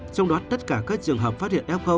trong đó tất cả các trường hợp phát hiện f